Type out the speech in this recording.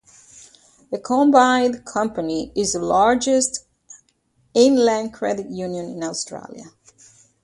The combined company is the largest inland credit union in Australia.